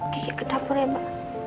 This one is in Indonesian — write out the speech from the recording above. kiki ke dapur ya mbak